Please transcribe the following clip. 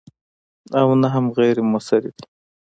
او نه هم غیر موثرې دي.